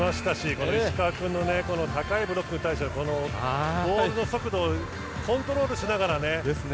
この石川君高いブロックに対してはボールの速度をコントロールしながら。